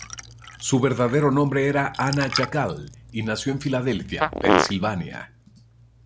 Su verdadero nombre era Anna Jackal, y nació en Filadelfia, Pensilvania.